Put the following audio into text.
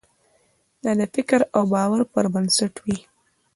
دا د فکر او باور پر بنسټ وي.